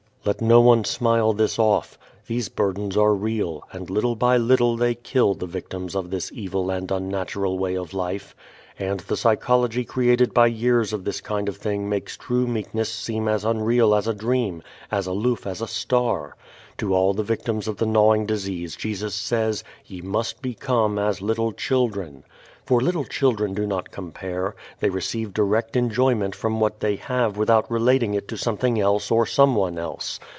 Let no one smile this off. These burdens are real, and little by little they kill the victims of this evil and unnatural way of life. And the psychology created by years of this kind of thing makes true meekness seem as unreal as a dream, as aloof as a star. To all the victims of the gnawing disease Jesus says, "Ye must become as little children." For little children do not compare; they receive direct enjoyment from what they have without relating it to something else or someone else.